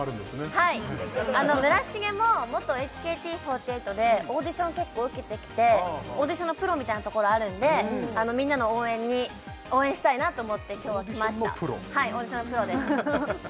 はいあの村重も元ＨＫＴ４８でオーディション結構受けてきてオーディションのプロみたいなところあるんであのみんなの応援に応援したいなと思って今日は来ましたオーディションのプロですオーディションのプロ？